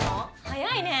早いね。